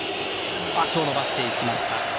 足を伸ばしていきました。